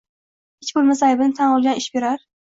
Hech bo`lmasa, aybini tan olgani ish berar